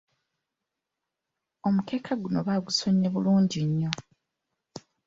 Omukeeka guno baagusonye bulungi yyo.